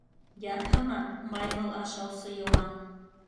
Ярһыма, маймыл ашаусы йыуан!